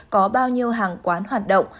có bao nhiêu hàng quán hoạt động